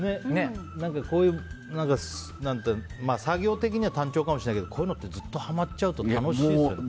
作業的には単調かもしれないけどこういうのってずっとハマっちゃうと楽しいですよね。